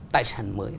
tài sản mới